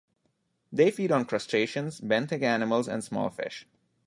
They feed on crustaceans, benthic animals, and small fish.